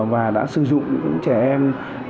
và đã sử dụng những trẻ em